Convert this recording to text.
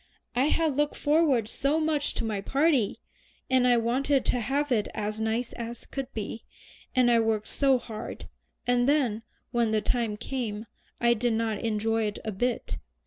"I had looked forward so much to my party, and I wanted to have it as nice as could be, and I worked so hard; and then, when the time came, I didn't enjoy it a bit.